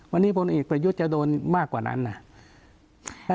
วันนี้พลเอกประยุทธ์จะโดนมากกว่านั้นนะ